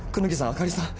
あかりさん